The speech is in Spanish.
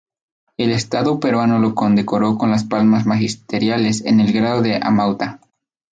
El Estado peruano lo condecoró con las Palmas Magisteriales, en el grado de Amauta..